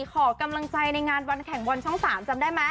ขอกำลังใจในงานวันแข่งบอลช่อง๓จำได้ไหม